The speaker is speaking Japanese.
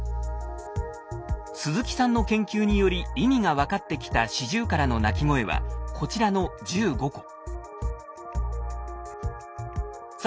鈴木さんの研究により意味が分かってきたシジュウカラの鳴き声はこちらの１５個。